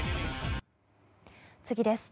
次です。